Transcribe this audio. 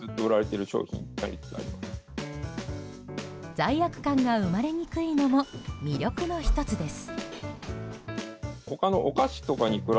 罪悪感が生まれにくいのも魅力の１つです。